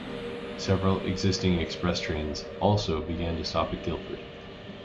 Several existing express trains also began to stop at Guilford.